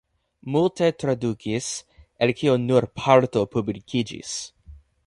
Multe tradukis, el kio nur parto publikiĝis.